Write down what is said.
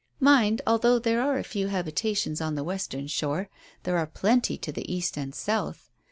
Mind, although there are few habitations on the western shore, there are plenty to the east and south.